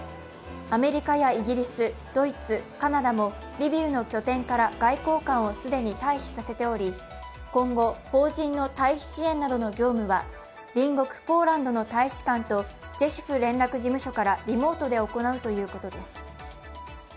アメリカやイギリス、ドイツ、カナダもリビウの拠点から外交官を既に退避させており、今後、邦人の退避支援などの業務は隣国ポーランドの大使館とジェシュフ連絡事務所からリモートで行うということです。